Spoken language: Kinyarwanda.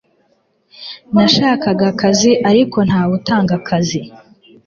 Nashakaga akazi ariko ntawe utanga akazi